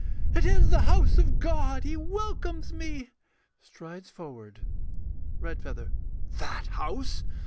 It is the house of God. He welcomes me. [Strides forward.] REDFEATHER. That house.